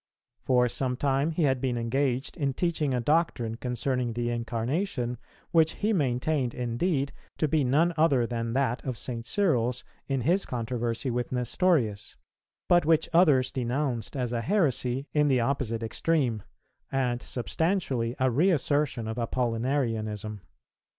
For some time he had been engaged in teaching a doctrine concerning the Incarnation, which he maintained indeed to be none other than that of St. Cyril's in his controversy with Nestorius, but which others denounced as a heresy in the opposite extreme, and substantially a reassertion of Apollinarianism.